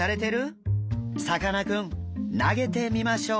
さかなクン投げてみましょう。